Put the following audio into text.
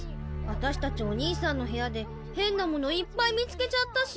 わたしたちお兄さんのへやでへんなものいっぱい見つけちゃったし。